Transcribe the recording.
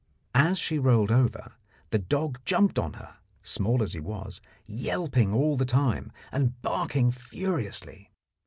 As she rolled over, the dog jumped upon her, small as he was, yelping all the time, and barking furiously.